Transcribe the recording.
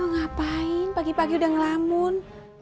ngapain pagi pagi udah ngelamun